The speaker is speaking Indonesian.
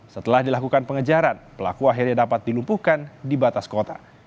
setelah dilakukan pengejaran pelaku akhirnya dapat dilumpuhkan di batas kota